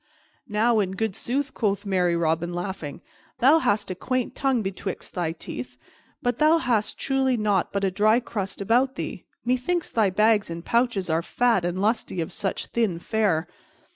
"Now, in good sooth," quoth merry Robin, laughing, "thou hast a quaint tongue betwixt thy teeth. But hast thou truly nought but a dry crust about thee? Methinks thy bags and pouches are fat and lusty for such thin fare."